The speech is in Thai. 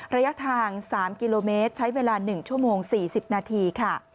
ระยะทาง๓กิโลเมตรใช้เวลา๑ชั่วโมง๔๐นาทีค่ะ